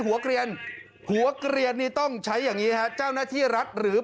เกลียนหัวเกลียนนี่ต้องใช้อย่างนี้ฮะเจ้าหน้าที่รัฐหรือ